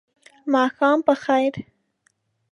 ماښام په خیر !